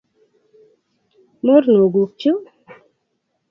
Mornoguk chuu